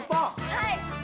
はい！